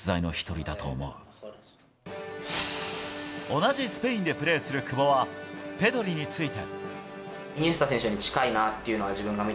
同じスペインでプレーする久保は、ペドリについて。